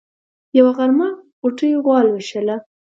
يوه غرمه غوټۍ غوا لوشله.